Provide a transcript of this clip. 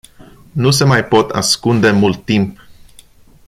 Nu se mai pot ascunde mult timp.